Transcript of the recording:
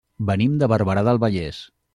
Venim de Barberà del Vallès.